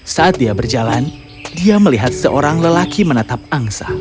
saat dia berjalan dia melihat seorang lelaki menatap angsa